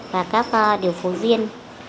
và các điều phối viên